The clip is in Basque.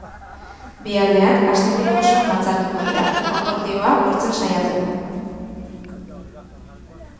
Bi aldeak asteburu osoan batzartuko dira, akordioa lortzen saiatzeko.